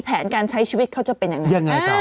แผนการใช้ชีวิตเขาจะเป็นยังไงต่อ